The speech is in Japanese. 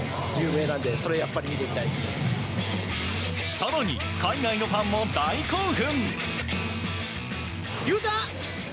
更に、海外のファンも大興奮。